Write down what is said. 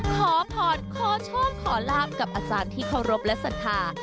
ขอพรขอโชคขอลาบกับอาจารย์ที่เคารพและศรัทธา